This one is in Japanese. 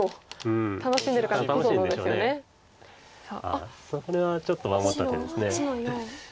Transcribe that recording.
ああそれはちょっと守った手です。